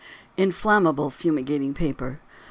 INFLAMMABLE FUMIGATING PAPER.